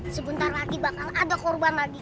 sebentar lagi bakal ada korban lagi kayak kita